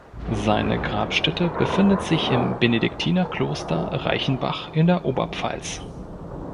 Seine Grabstätte befindet sich im Benediktinerkloster Reichenbach in der Oberpfalz.